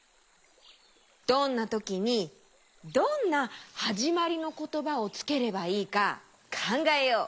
どんなときにどんなはじまりのことばをつければいいかかんがえよう。